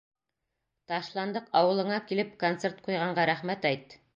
Ташландыҡ ауылыңа килеп концерт ҡуйғанға рәхмәт әйт!